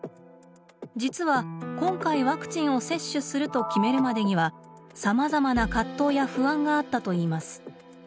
実は今回ワクチンを接種すると決めるまでにはさまざまな葛藤や不安があったといいます。